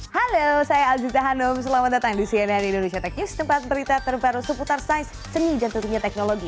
halo saya aziza hanum selamat datang di cnn indonesia tech news tempat berita terbaru seputar sains seni dan tentunya teknologi